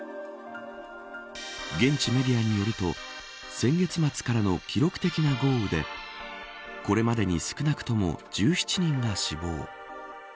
現地メディアによると先月末からの記録的な豪雨でこれまでに少なくとも１７人が死亡。